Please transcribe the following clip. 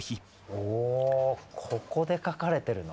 おここで描かれてるの。